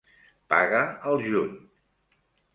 Paga al juny.